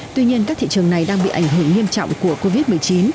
tuy nhiên các thị trường này đang bị ảnh hưởng nghiêm trọng của covid một mươi chín